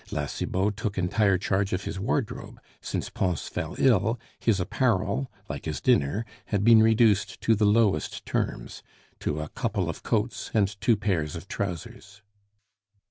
La Cibot took entire charge of his wardrobe; since Pons fell ill, his apparel, like his dinner, had been reduced to the lowest terms to a couple of coats and two pairs of trousers.